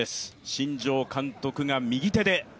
新庄監督が右手で。